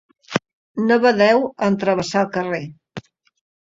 No badeu en travessar el carrer.